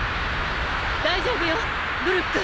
大丈夫よブルック。